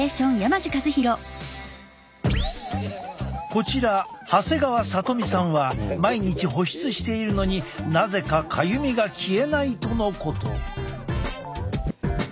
こちら長谷川都美さんは毎日保湿しているのになぜかかゆみが消えないとのこと。